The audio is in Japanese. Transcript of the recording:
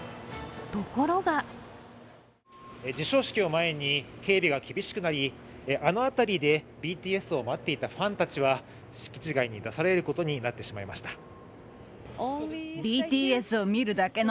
ところが授賞式を前に警備が厳しくなり、あの辺りでＢＴＳを待っていたファンたちは敷地外に出されることになってしまいました。